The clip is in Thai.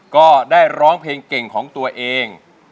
ก็ได้ร้องเพลงเก่งของตัวเอง